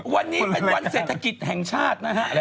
วันนี้เป็นวันเศรษฐกิจแห่งชาตินะฮะ